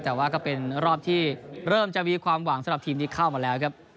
แต่ว่าก็เป็นรอบที่เริ่มจะมีความหวังสำหรับทีมที่เข้ามาแล้วครับ